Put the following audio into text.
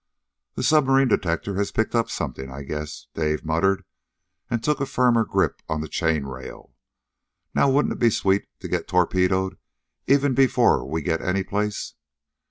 "The submarine detector has picked up something, I guess!" Dave muttered, and took a firmer grip on the chain rail. "Now, wouldn't it be sweet to get torpedoed even before we get any place?"